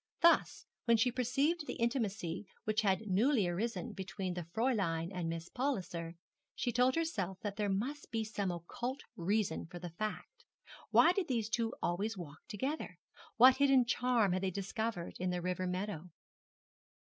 Thus when she perceived the intimacy which had newly arisen between the Fräulein and Miss Palliser, she told herself that there must be some occult reason for the fact. Why did those two always walk together? What hidden charm had they discovered in the river meadow?